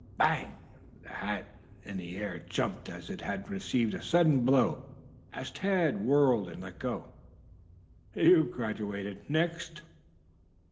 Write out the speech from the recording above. Bang! The hat in the air jumped as if it had received a sudden blow as Tad whirled and let go. "You've graduated. Next!"